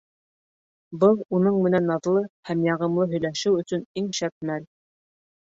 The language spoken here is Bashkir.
Был уның менән наҙлы һәм яғымлы һөйләшеү өсөн иң шәп мәл.